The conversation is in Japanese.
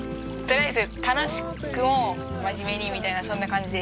とりあえず楽しくも真面目にみたいなそんな感じ。